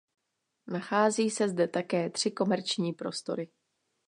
Nachází se zde také tři komerční prostory.